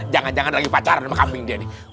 jangan jangan lagi pacaran sama kambing dia nih